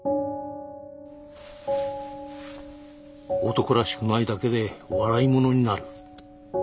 男らしくないだけで笑い者になる。